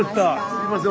すみません